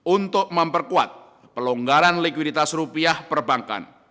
untuk memperkuat pelonggaran likuiditas rupiah perbankan